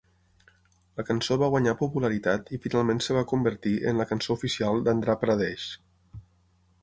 La cançó va guanyar popularitat i finalment es va convertir en la cançó oficial d'Andhra Pradesh.